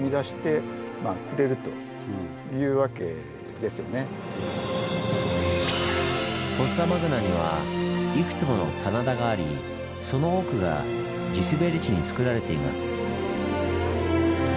まさにフォッサマグナにはいくつもの棚田がありその多くが地すべり地につくられています。